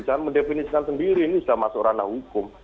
jangan mendefinisikan sendiri ini sudah masuk ranah hukum